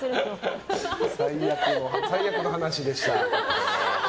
最悪の話でした。